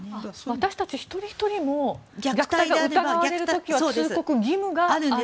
私たち一人ひとりも虐待と疑われる時は通告義務があるんです。